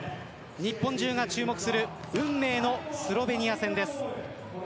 日本中が注目する運命のスロベニア戦です。